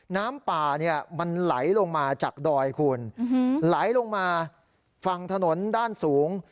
น้ำป่าเนี่ยมันไหลลงมาจากดอยคุณไหลลงมาฝั่งถนนด้านสูง